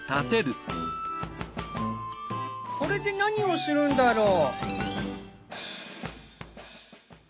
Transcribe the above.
これで何をするんだろう？